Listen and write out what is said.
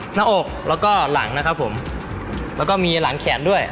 หน้าอกแล้วก็หลังนะครับผมแล้วก็มีหลังแขนด้วย